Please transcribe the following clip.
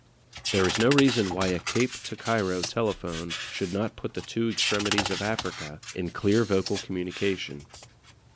There is no reason why a Cape to Cairo telephone should not put the two extremities of Africa in clear vocal communication.